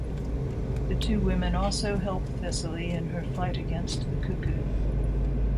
The two women also help Thessaly in her fight against the Cuckoo.